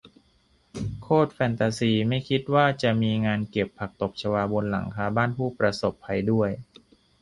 โคตรแฟนตาซี ไม่คิดว่าจะมีงานเก็บผักตบชวาบนหลังคาบ้านผู้ประสบภัยด้วย